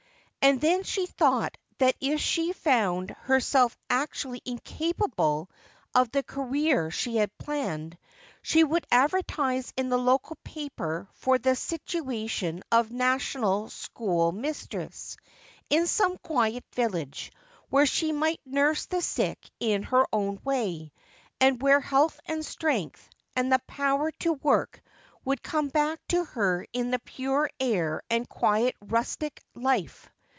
And then she thought that if she found her self actually incapable of the career she had planned, she would advertise in the local paper for the situation of national school mistress in some quiet village, where she might nurse the sick in her own way, and where health and strength, and the power to work, would come back to her in the pure air and quiet rustic life.